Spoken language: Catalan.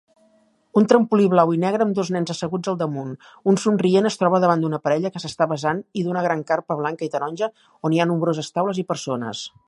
Un trampolí blau i negre amb dos nens asseguts al damunt, un somrient es troba davant d'una parella que s'està besant i d'una gran carpa blanca i taronja on hi ha nombroses taules i persones.